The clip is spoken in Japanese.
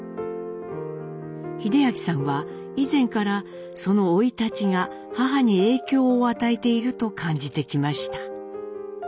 英明さんは以前からその生い立ちが母に影響を与えていると感じてきました。